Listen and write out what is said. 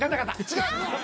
違う！